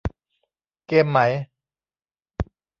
เกมไหม